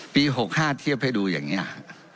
ปี๖๕เทียบให้ดูอย่างนี้